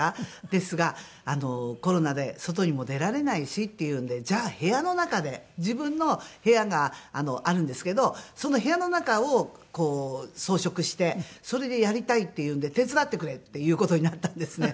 ですがコロナで外にも出られないしっていうんでじゃあ部屋の中で自分の部屋があるんですけどその部屋の中を装飾してそれでやりたいっていうんで手伝ってくれっていう事になったんですね。